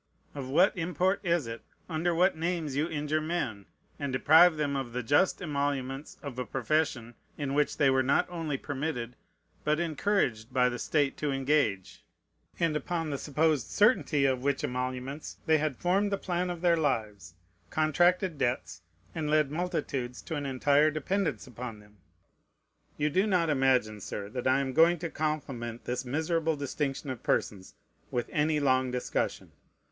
Of what import is it, under what names you injure men, and deprive them of the just emoluments of a profession in which they were not only permitted, but encouraged by the state to engage, and upon the supposed certainty of which emoluments they had formed the plan of their lives, contracted debts, and led multitudes to an entire dependence upon them? You do not imagine, Sir, that I am going to compliment this miserable distinction of persons with any long discussion.